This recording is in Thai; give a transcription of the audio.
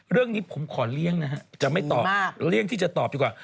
เรื่องนี้ผมขอเลี่ยงนะฮะจะไม่ตอบเลี่ยงที่จะตอบดีกว่า